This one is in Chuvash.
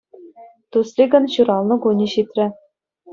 Тусликӑн ҫуралнӑ кунӗ ҫитрӗ.